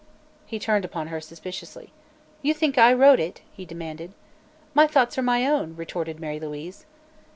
He turned upon her suspiciously. "You think I wrote it?" he demanded. "My thoughts are my own," retorted Mary Louise.